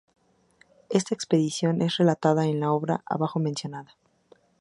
Esta expedición es relatada en la obra abajo mencionada.